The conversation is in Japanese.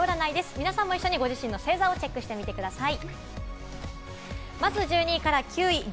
皆さんも一緒にご自身の星座をチェックしてみてください。